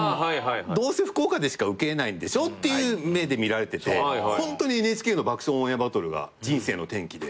どうせ福岡でしかウケないんでしょっていう目で見られててＮＨＫの『爆笑オンエアバトル』が人生の転機で。